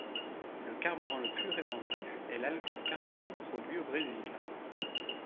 Le carburant le plus répandu est l'alcool-carburant produit au Brésil.